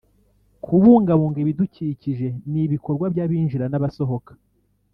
kubungabunga ibidukikije n’ibikorwa by’abinjira n’abasohoka